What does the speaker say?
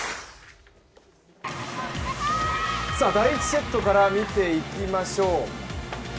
第１セットから見ていきましょう。